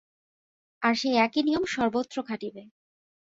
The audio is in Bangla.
আর সেই একই নিয়ম সর্বত্র খাটিবে।